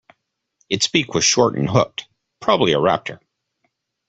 Its beak was short and hooked – probably a raptor.